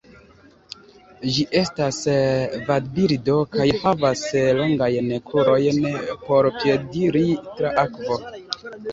Ĝi estas vadbirdo kaj havas longajn krurojn por piediri tra akvo.